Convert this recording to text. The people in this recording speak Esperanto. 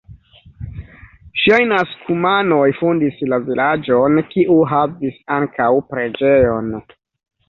Ŝajnas, kumanoj fondis la vilaĝon, kiu havis ankaŭ preĝejon.